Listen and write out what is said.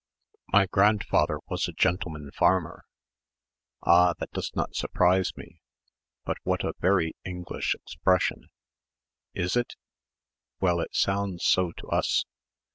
"My grandfather was a gentleman farmer." "Ah that does not surprise me but what a very English expression!" "Is it?" "Well, it sounds so to us.